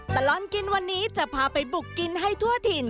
ตลอดกินวันนี้จะพาไปบุกกินให้ทั่วถิ่น